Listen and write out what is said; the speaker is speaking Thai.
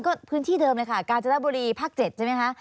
ก็พื้นที่เดิมเลยค่ะกาญจนบุรีภาค๗ใช่ไหมคะ